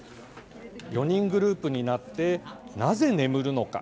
４人グループになってなぜ眠るのか？